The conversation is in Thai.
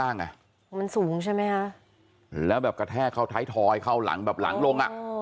มันสูงใช่ไหมคะแล้วแบบกระแทกเข้าท้ายทอยเข้าหลังแบบหลังลงอ่ะ